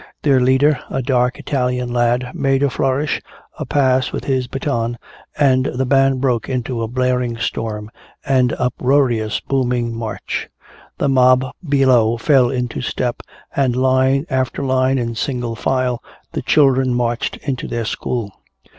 Their leader, a dark Italian lad, made a flourish, a pass with his baton, and the band broke into a blaring storm, an uproarious, booming march. The mob below fell into step, and line after line in single file the children marched into their school.